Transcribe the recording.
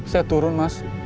saya turun mas